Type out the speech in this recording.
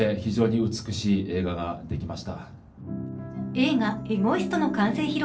映画「エゴイスト」の完成披露